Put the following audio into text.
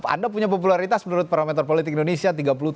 anda punya popularitas menurut parameter politik indonesia tiga puluh tujuh